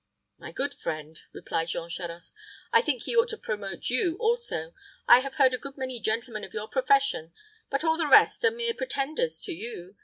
"My good friend," replied Jean Charost, "I think he ought to promote you also. I have heard of a good many gentlemen of your profession; but all the rest are mere pretenders to you.